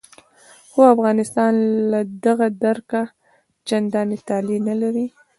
خو افغانستان له دغه درکه چندانې طالع نه لري.